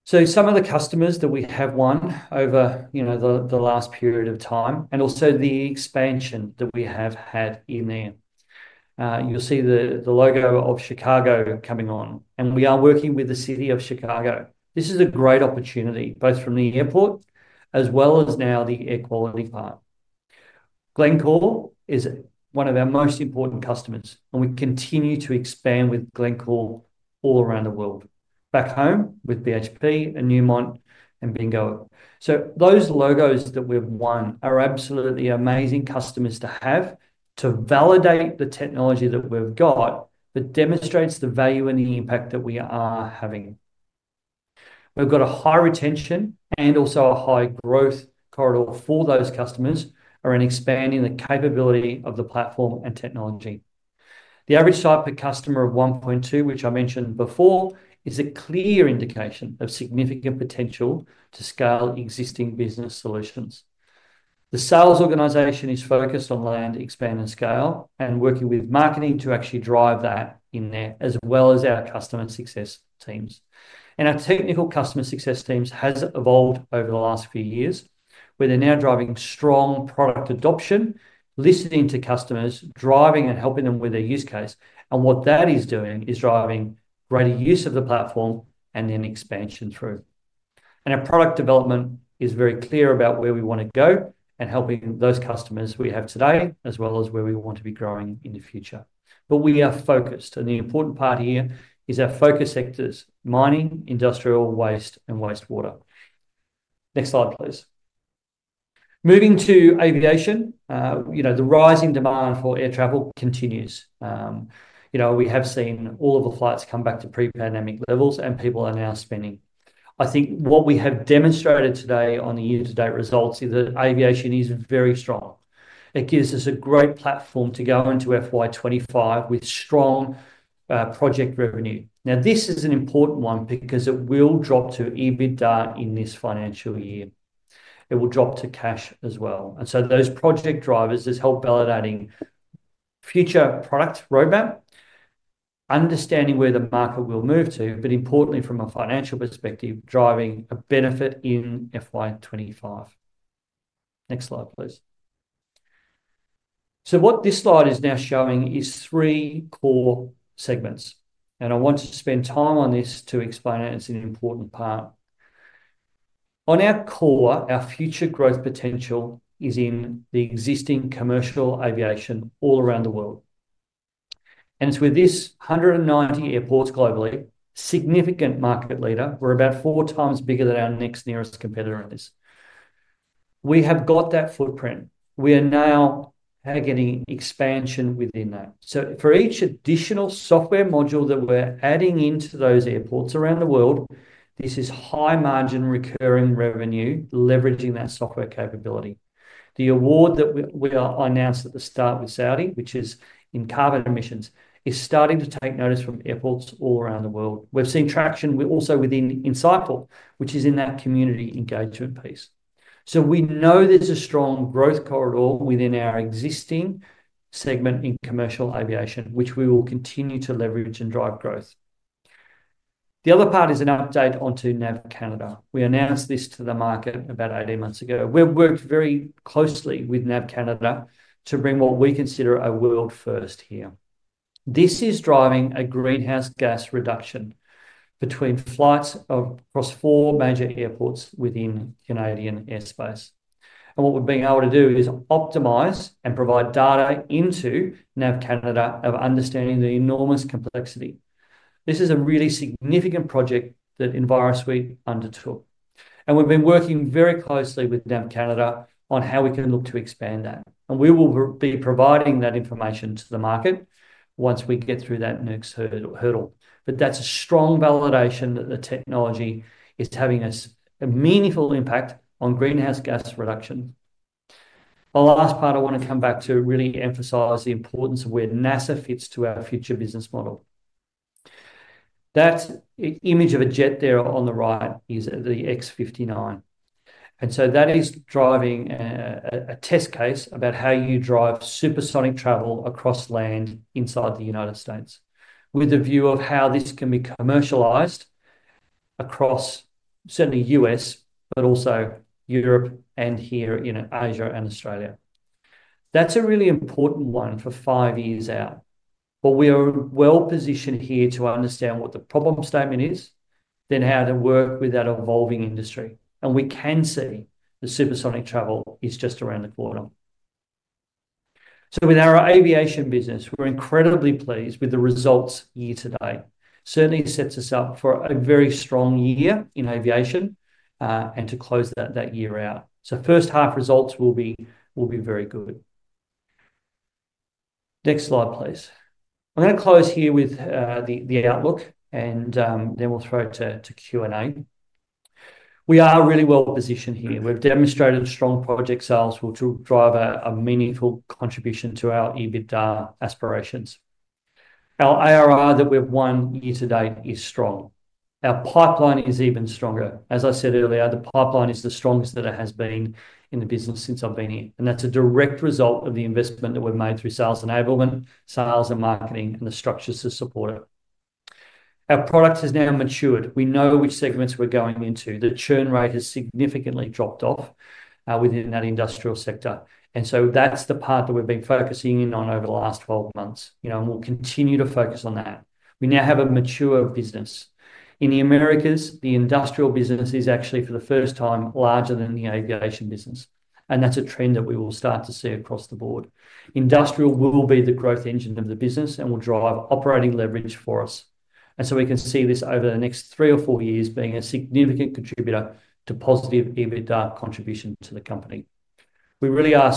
So some of the customers that we have won over the last period of time and also the expansion that we have had in there. You'll see the logo of Chicago coming on. And we are working with the City of Chicago. This is a great opportunity, both from the airport as well as now the air quality part. Glencore is one of our most important customers, and we continue to expand with Glencore all around the world. Back home with BHP and Newmont and Bingo. So those logos that we've won are absolutely amazing customers to have to validate the technology that we've got that demonstrates the value and the impact that we are having. We've got a high retention and also a high growth corridor for those customers around expanding the capability of the platform and technology. The average site per customer of 1.2, which I mentioned before, is a clear indication of significant potential to scale existing business solutions. The sales organization is focused on land expand and scale and working with marketing to actually drive that in there, as well as our customer success teams. And our technical customer success teams have evolved over the last few years, where they're now driving strong product adoption, listening to customers, driving and helping them with their use case. And what that is doing is driving greater use of the platform and then expansion through. Our product development is very clear about where we want to go and helping those customers we have today, as well as where we want to be growing in the future. We are focused. The important part here is our focus sectors: mining, industrial waste, and wastewater. Next slide, please. Moving to aviation, the rising demand for air travel continues. We have seen all of the flights come back to pre-pandemic levels, and people are now spending. I think what we have demonstrated today on the year-to-date results is that Aviation is very strong. It gives us a great platform to go into FY 2025 with strong project revenue. Now, this is an important one because it will drop to EBITDA in this financial year. It will drop to cash as well. And so those project drivers, it's helped validating future product roadmap, understanding where the market will move to, but importantly, from a financial perspective, driving a benefit in FY 2025. Next slide, please. So what this slide is now showing is three core segments. And I want to spend time on this to explain it. It's an important part. On our core, our future growth potential is in the existing commercial aviation all around the world. And it's with this 190 airports globally, significant market leader. We're about 4x bigger than our next nearest competitor is. We have got that footprint. We are now getting expansion within that. So for each additional software module that we're adding into those airports around the world, this is high-margin recurring revenue, leveraging that software capability. The award that we announced at the start with Saudi Arabia, which is in carbon emissions, is starting to take notice from airports all around the world. We've seen traction also within InsightFull, which is in that community engagement piece. So we know there's a strong growth corridor within our existing segment in commercial aviation, which we will continue to leverage and drive growth. The other part is an update onto NAV Canada. We announced this to the market about 18 months ago. We've worked very closely with NAV Canada to bring what we consider a world first here. This is driving a greenhouse gas reduction between flights across four major airports within Canadian airspace. And what we've been able to do is optimize and provide data into NAV Canada of understanding the enormous complexity. This is a really significant project that Envirosuite undertook. And we've been working very closely with NAV Canada on how we can look to expand that. And we will be providing that information to the market once we get through that next hurdle. But that's a strong validation that the technology is having a meaningful impact on greenhouse gas reduction. The last part I want to come back to really emphasize the importance of where NASA fits to our future business model. That image of a jet there on the right is the X-59. And so that is driving a test case about how you drive supersonic travel across land inside the United States, with a view of how this can be commercialized across certainly U.S., but also Europe and here in Asia and Australia. That's a really important one for five years out. But we are well positioned here to understand what the problem statement is, then how to work with that evolving industry. And we can see the supersonic travel is just around the corner. So with our Aviation business, we're incredibly pleased with the results year to date. Certainly sets us up for a very strong year in Aviation and to close that year out. So first half results will be very good. Next slide, please. I'm going to close here with the outlook, and then we'll throw it to Q&A. We are really well positioned here. We've demonstrated strong project sales which will drive a meaningful contribution to our EBITDA aspirations. Our ARR that we've won year to date is strong. Our pipeline is even stronger. As I said earlier, the pipeline is the strongest that it has been in the business since I've been here. And that's a direct result of the investment that we've made through sales enablement, sales and marketing, and the structures to support it. Our product has now matured. We know which segments we're going into. The churn rate has significantly dropped off within that industrial sector. And so that's the part that we've been focusing in on over the last 12 months. And we'll continue to focus on that. We now have a mature business. In the Americas, the industrial business is actually, for the first time, larger than the Aviation business. And that's a trend that we will start to see across the board. Industrial will be the growth engine of the business and will drive operating leverage for us. And so we can see this over the next three or four years being a significant contributor to positive EBITDA contribution to the company. We really are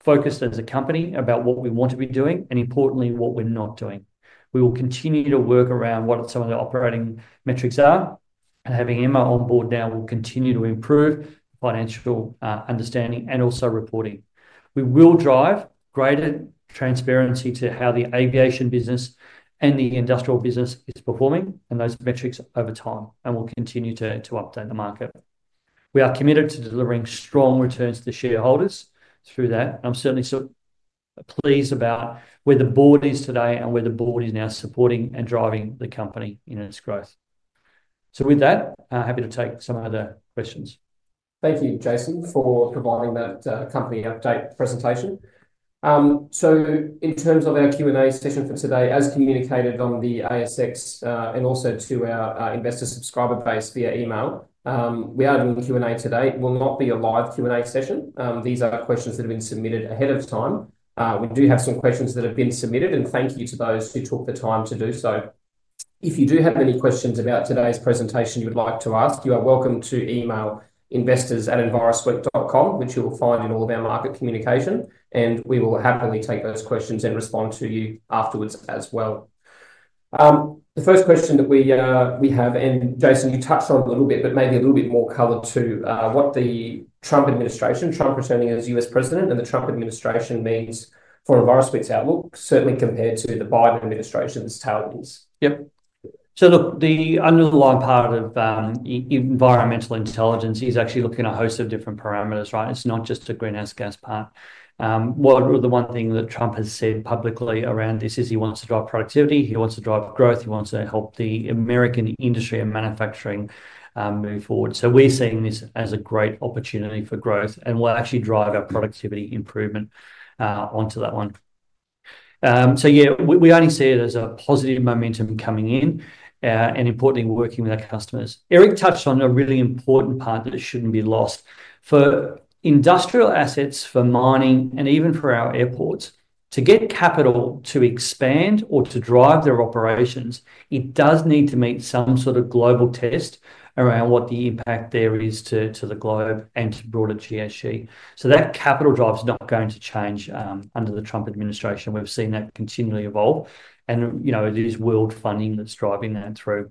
focused as a company about what we want to be doing and, importantly, what we're not doing. We will continue to work around what some of the operating metrics are, and having Emma on board now will continue to improve financial understanding and also reporting. We will drive greater transparency to how the Aviation business and the industrial business is performing and those metrics over time, and we'll continue to update the market. We are committed to delivering strong returns to shareholders through that, and I'm certainly pleased about where the board is today and where the board is now supporting and driving the company in its growth, so with that, happy to take some other questions. Thank you, Jason, for providing that company update presentation. So in terms of our Q&A session for today, as communicated on the ASX and also to our investor subscriber base via email, we are doing Q&A today. It will not be a live Q&A session. These are questions that have been submitted ahead of time. We do have some questions that have been submitted, and thank you to those who took the time to do so. If you do have any questions about today's presentation you would like to ask, you are welcome to email investors@envirosuite.com, which you will find in all of our market communication, and we will happily take those questions and respond to you afterwards as well. The first question that we have, and Jason, you touched on a little bit, but maybe a little bit more color too, what the Trump administration, Trump returning as U.S. president, and the Trump administration means for Envirosuite's outlook, certainly compared to the Biden administration's tailwinds? Yep. So look, the underlying part of environmental intelligence is actually looking at a host of different parameters, right? It's not just the greenhouse gas part. The one thing that Trump has said publicly around this is he wants to drive productivity. He wants to drive growth. He wants to help the American industry and manufacturing move forward. So we're seeing this as a great opportunity for growth and will actually drive our productivity improvement onto that one. So yeah, we only see it as a positive momentum coming in and, importantly, working with our customers. Eric touched on a really important part that shouldn't be lost. For industrial assets, for mining, and even for our airports, to get capital to expand or to drive their operations, it does need to meet some sort of global test around what the impact there is to the globe and to broader ESG. So that capital drive is not going to change under the Trump administration. We've seen that continually evolve. And it is world funding that's driving that through.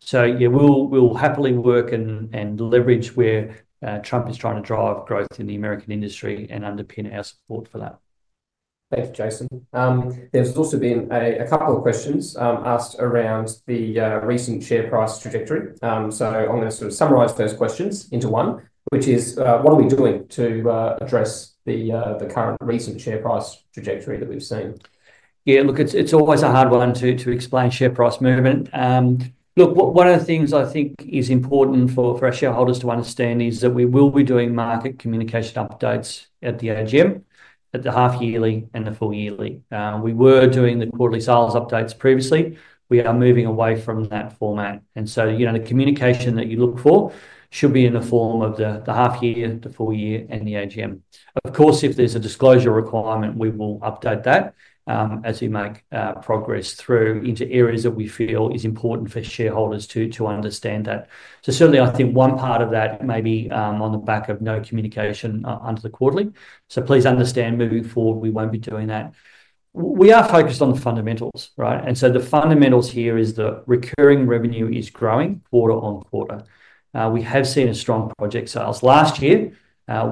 So yeah, we'll happily work and leverage where Trump is trying to drive growth in the American industry and underpin our support for that. Thank you, Jason. There's also been a couple of questions asked around the recent share price trajectory. So I'm going to sort of summarize those questions into one, which is, what are we doing to address the current recent share price trajectory that we've seen? Yeah, look, it's always a hard one to explain share price movement. Look, one of the things I think is important for our shareholders to understand is that we will be doing market communication updates at the AGM, at the half-yearly and the full-yearly. We were doing the quarterly sales updates previously. We are moving away from that format. And so the communication that you look for should be in the form of the half year, the full year, and the AGM. Of course, if there's a disclosure requirement, we will update that as we make progress through into areas that we feel is important for shareholders to understand that. So certainly, I think one part of that may be on the back of no communication under the quarterly. So please understand moving forward, we won't be doing that. We are focused on the fundamentals, right? And so the fundamentals here is that recurring revenue is growing quarter-on-quarter. We have seen a strong project sales. Last year,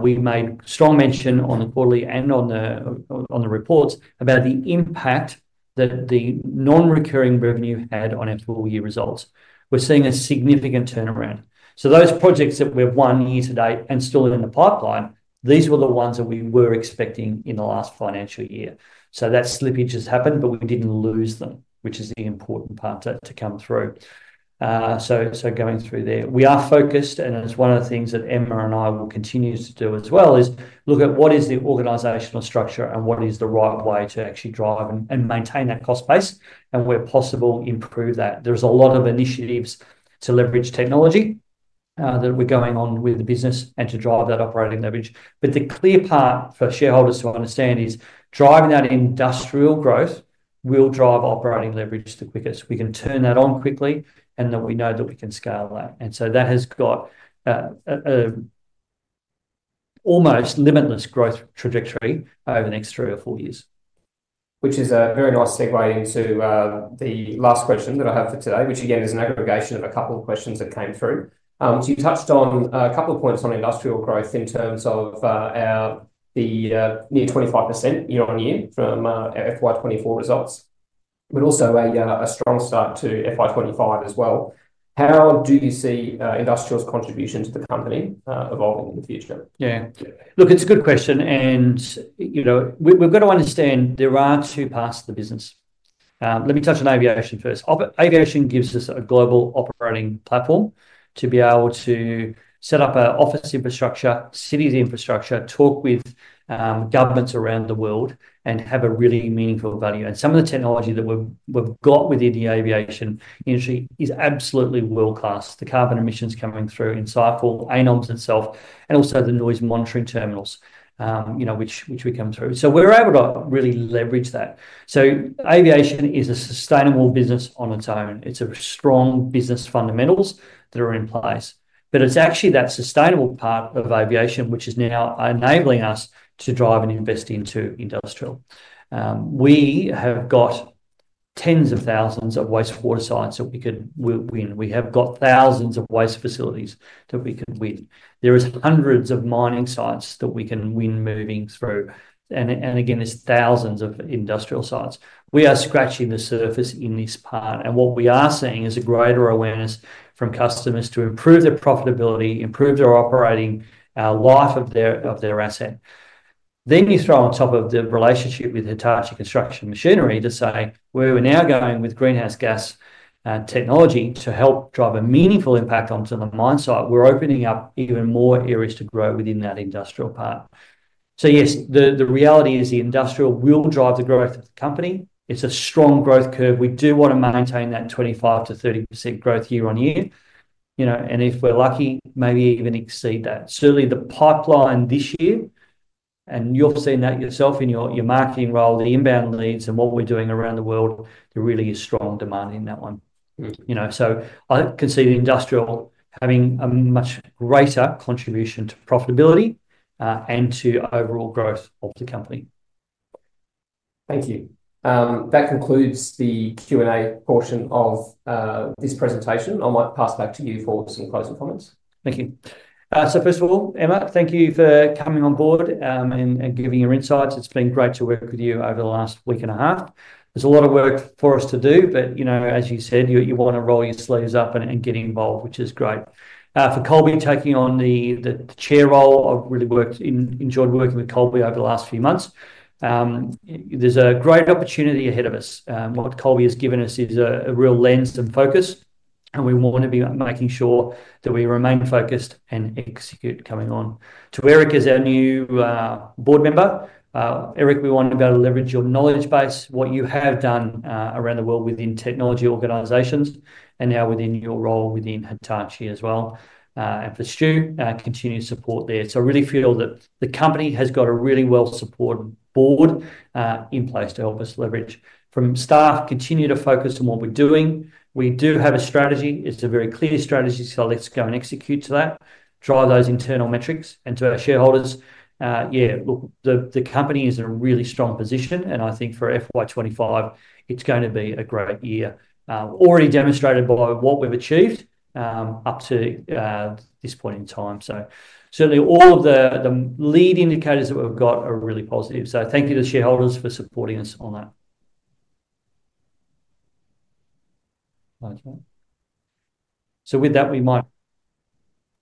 we made strong mention on the quarterly and on the reports about the impact that the non-recurring revenue had on our full year results. We're seeing a significant turnaround. So those projects that we've won year to date and still in the pipeline, these were the ones that we were expecting in the last financial year. So that slippage has happened, but we didn't lose them, which is the important part to come through. So going through there, we are focused. And it's one of the things that Emma and I will continue to do as well is look at what is the organizational structure and what is the right way to actually drive and maintain that cost base and, where possible, improve that. There's a lot of initiatives to leverage technology that we're going on with the business and to drive that operating leverage. But the clear part for shareholders to understand is driving that industrial growth will drive operating leverage the quickest. We can turn that on quickly, and then we know that we can scale that, and so that has got an almost limitless growth trajectory over the next three or four years, which is a very nice segue into the last question that I have for today, which again is an aggregation of a couple of questions that came through, so you touched on a couple of points on industrial growth in terms of the near 25% year-on-year from FY 2024 results, but also a strong start to FY 2025 as well. How do you see industrial's contribution to the company evolving in the future? Yeah. Look, it's a good question, and we've got to understand there are two parts to the business. Let me touch on Aviation first. Aviation gives us a global operating platform to be able to set up an office infrastructure, city infrastructure, talk with governments around the world, and have a really meaningful value, and some of the technology that we've got within the Aviation industry is absolutely world-class. The carbon emissions coming through InsightFull, ANOMS itself, and also the noise monitoring terminals, which we come through. So we're able to really leverage that, so Aviation is a sustainable business on its own. It's a strong business fundamentals that are in place, but it's actually that sustainable part of Aviation which is now enabling us to drive and invest into industrial. We have got tens of thousands of wastewater sites that we could win. We have got thousands of waste facilities that we could win. There are hundreds of mining sites that we can win moving through. And again, there's thousands of industrial sites. We are scratching the surface in this part. And what we are seeing is a greater awareness from customers to improve their profitability, improve their operating life of their asset. Then you throw on top of the relationship with Hitachi Construction Machinery to say, "We're now going with greenhouse gas technology to help drive a meaningful impact onto the mine site. We're opening up even more areas to grow within that industrial part." So yes, the reality is the industrial will drive the growth of the company. It's a strong growth curve. We do want to maintain that 25%-30% growth year-on-year. And if we're lucky, maybe even exceed that. Certainly, the pipeline this year, and you've seen that yourself in your marketing role, the inbound leads and what we're doing around the world, there really is strong demand in that one. So I can see the industrial having a much greater contribution to profitability and to overall growth of the company. Thank you. That concludes the Q&A portion of this presentation. I might pass back to you for some closing comments. Thank you. So first of all, Emma, thank you for coming on board and giving your insights. It's been great to work with you over the last week and a half. There's a lot of work for us to do, but as you said, you want to roll your sleeves up and get involved, which is great. For Colby taking on the chair role, I've really enjoyed working with Colby over the last few months. There's a great opportunity ahead of us. What Colby has given us is a real lens and focus. And we want to be making sure that we remain focused and execute coming on. To Eric as our new board member, Eric, we want to be able to leverage your knowledge base, what you have done around the world within technology organizations, and now within your role within Hitachi as well. And for Stuart, continue to support there. So I really feel that the company has got a really well-supported board in place to help us leverage. From staff, continue to focus on what we're doing. We do have a strategy. It's a very clear strategy. So let's go and execute to that, drive those internal metrics. And to our shareholders, yeah, look, the company is in a really strong position. And I think for FY 2025, it's going to be a great year, already demonstrated by what we've achieved up to this point in time. So certainly, all of the lead indicators that we've got are really positive. So thank you to the shareholders for supporting us on that. So with that, we might.